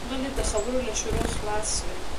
غلی، د خبرو له شره خلاص وي.